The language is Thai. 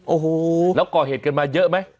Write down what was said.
โอ้โหแล้วก่อเหตุกันมาเยอะไหม